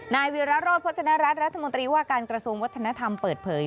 นายวิราโรธพจนรัฐรัฐรัฐมนตรีว่าการกระทรวงวัฒนธรรมเปิดเผย